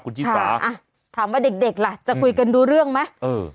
คุณชิสาอ่ะถามว่าเด็กล่ะจะคุยกันรู้เรื่องไหมเออ